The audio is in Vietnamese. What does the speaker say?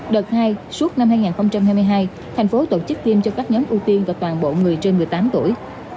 đợt hai suốt năm hai nghìn hai mươi hai thành phố tổ chức tiêm cho các nhóm ưu tiên và toàn bộ người trên một mươi tám tuổi